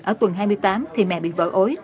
ở tuần hai mươi tám thì mẹ bị vỡ ối